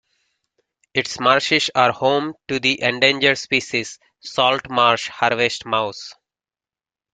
Its marshes are home to the endangered species Salt Marsh Harvest Mouse.